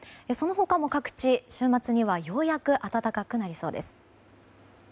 その他も各地、週末にはようやく暖かくなりそうです。